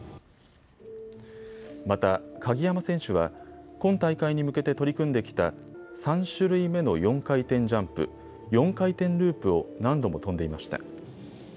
また、鍵山選手は今大会に向けて取り組んできた３種類目の４回転ジャンプ、４回転ループを何度も跳んでいました。